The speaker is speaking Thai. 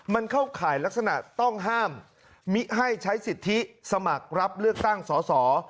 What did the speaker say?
มันเข้าข่ายลักษณะต้องห้ามมิให้ใช้สิทธิสมัครรับเลือกตั้งสอสอ